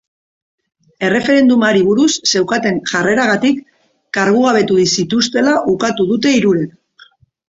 Erreferendumari buruz zeukaten jarreragatik kargugabetu zituztela ukatu dute hirurek.